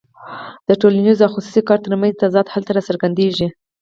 د ټولنیز او خصوصي کار ترمنځ تضاد هلته راڅرګندېږي